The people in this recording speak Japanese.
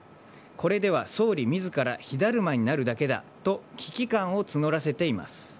これでは総理自ら火だるまになるだけだと危機感を募らせています。